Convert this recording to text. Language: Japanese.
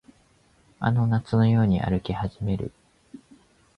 あの夏のように歩き始める